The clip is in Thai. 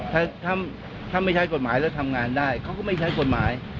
ถ้าไม่ใช้กฎหมายแล้วทำงานได้เขาก็ไม่ใช้กฎหมาย